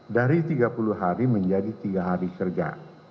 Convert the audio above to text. dari tiga puluh hari menjadi tiga hari kerja